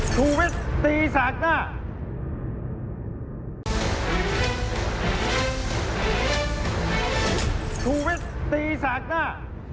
ถูกวิทย์ตีศากหน้า